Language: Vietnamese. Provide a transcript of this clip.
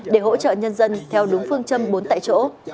để hỗ trợ nhân dân theo đúng phương châm bốn tại chỗ